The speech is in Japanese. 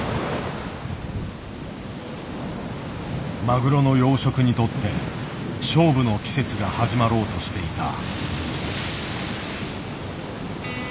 マグロの養殖にとって勝負の季節が始まろうとしていた。